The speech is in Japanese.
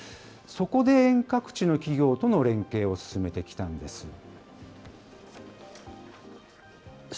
そこで、遠隔地の企業との連携を進めてきたんです。